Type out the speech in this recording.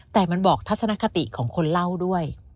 แต่มันบอกทัศนคติของคนเล่าด้วย